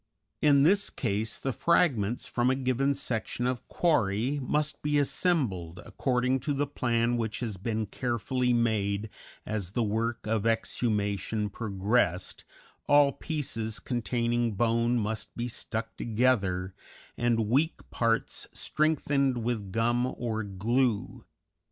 In this case the fragments from a given section of quarry must be assembled according to the plan which has been carefully made as the work of exhumation progressed, all pieces containing bone must be stuck together, and weak parts strengthened with gum or glue.